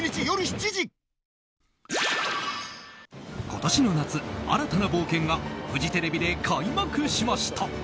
今年の夏、新たな冒険がフジテレビで開幕します。